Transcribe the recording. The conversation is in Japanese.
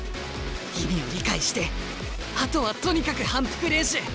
意味を理解してあとはとにかく反復練習。